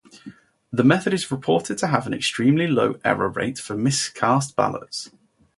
The method is reported to have an extremely low error rate for miscast ballots.